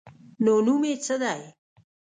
_نو نوم يې څه دی؟